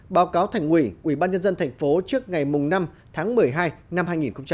báo cáo thành quỷ ubnd tp trước ngày năm tháng một mươi hai năm hai nghìn một mươi sáu